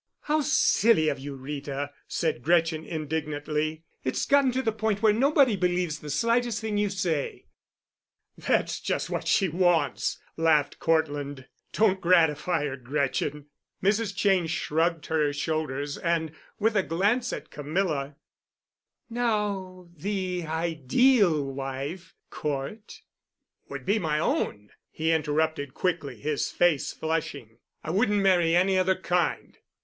"How silly of you, Rita," said Gretchen indignantly. "It's gotten to the point where nobody believes the slightest thing you say." "That's just what she wants," laughed Cortland. "Don't gratify her, Gretchen." Mrs. Cheyne shrugged her shoulders, and, with a glance at Camilla, "Now the Ideal Wife, Cort——" "Would be my own," he interrupted quickly, his face flushing. "I wouldn't marry any other kind."